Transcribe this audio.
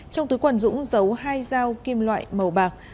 trong túi quần dũng giấu hai dao kim loại màu bạc